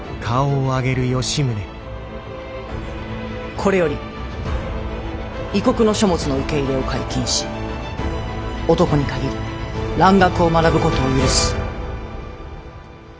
これより異国の書物の受け入れを解禁し男に限り蘭学を学ぶことを許す。